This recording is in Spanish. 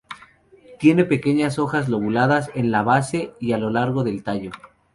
Tiene pequeñas hojas lobuladas, en la base y a lo largo del tallo.